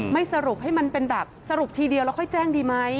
ไม่สรุปให้มันเป็นแบบสรุปทีเดียวแล้วค่อยแจ้งดีไหม